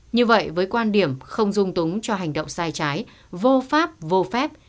như vậy với quan điểm không dung túng cho hành động sai trái vô pháp vô phép